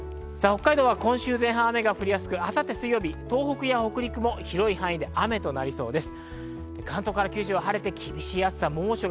北海道は今週前半、雨が降りやすく、明後日水曜日は東北や北陸も広い範囲で雨になりそうです。